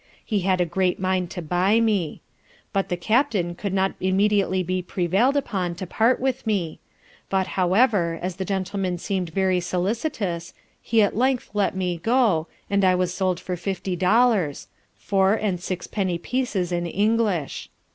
He had a great mind to buy me; but the Captain could not immediately be prevail'd on to part with me; but however, as the gentleman seem'd very solicitous, he at length let me go, and I was sold for fifty dollars (four and sixpenny pieces in English).